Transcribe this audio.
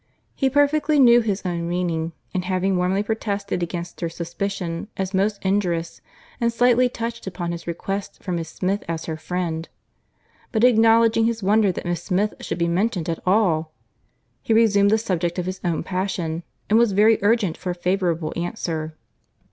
He perfectly knew his own meaning; and having warmly protested against her suspicion as most injurious, and slightly touched upon his respect for Miss Smith as her friend,—but acknowledging his wonder that Miss Smith should be mentioned at all,—he resumed the subject of his own passion, and was very urgent for a favourable answer.